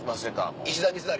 石田三成。